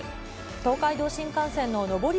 東海道新幹線の上り